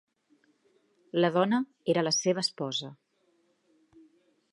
La dona era la seva esposa.